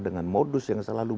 dengan modus yang selalu